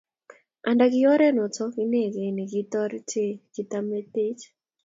Anda ki oret notok inegei ne kitoretee kitameteech.